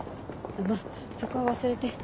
まっそこは忘れて。